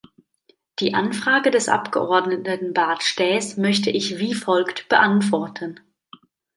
Die Anfrage des Abgeordneten Bart Staes möchte ich wie folgt beantworten.